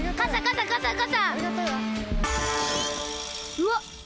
うわっ！